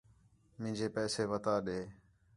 مینجے پیسے وتا ݙے